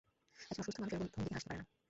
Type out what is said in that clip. একজন অসুস্থ মানুষ এরকম ভঙ্গিতে হাসতে পারে না।